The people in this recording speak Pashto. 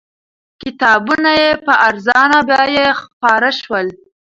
کتابونه یې په ارزانه بیه خپاره شول.